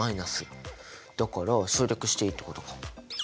だから省略していいってことか。